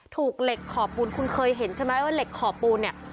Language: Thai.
ถูกเหล็กขอบปูนคุณเคยเห็นใช่ไหมว่าเหล็กขอบปูนเนี่ย